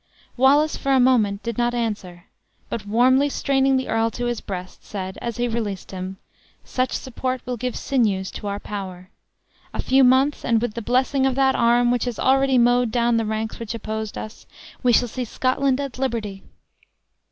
Wallace for a moment did not answer; but warmly straining the earl to his breast, said, as he released him, "Such support will give sinews to our power. A few months, and with the blessing of that arm which has already mowed down the ranks which opposed us, we shall see Scotland at liberty."